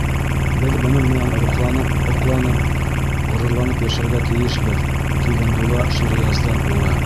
Беҙ бының менән рухланып, һоҡланып, ғорурланып йәшәргә тейешбеҙ, — ти Ғиндулла Ширияздан улы.